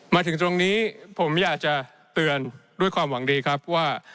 มาถึงตรงนี้ผมอยากจะเตือนด้วยความหวังดีครับว่า